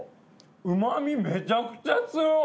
うまみめちゃくちゃ強い！